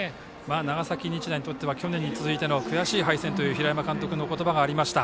長崎日大にとっては去年に続いての悔しい敗戦という平山監督の言葉がありました。